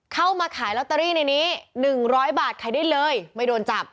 ขายลอตเตอรี่ในนี้๑๐๐บาทขายได้เลยไม่โดนจับ